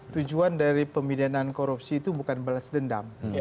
tujuan dari pemidanaan korupsi itu bukan balas dendam